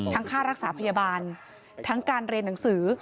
ค่ารักษาพยาบาลทั้งการเรียนหนังสือ